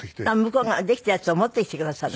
向こうができたやつを持ってきてくださる？